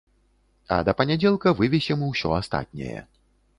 А да панядзелка вывесім усё астатняе.